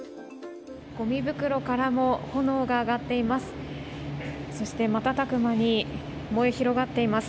ごみ袋からも炎が上がっています。